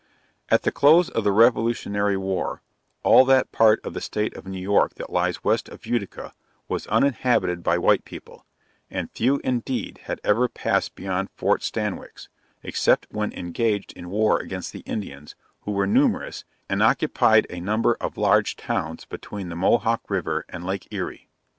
At the close of the Revolutionary war; all that part of the State of New York that lies west of Utica was uninhabited by white people, and few indeed had ever passed beyond Fort Stanwix, except when engaged in war against the Indians, who were numerous, and occupied a number of large towns Between the Mohawk river and lake Erie.